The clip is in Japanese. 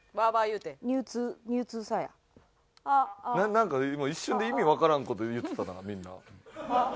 なんか一瞬で意味わからん事言ってたなみんな。